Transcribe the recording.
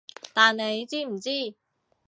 但你知唔知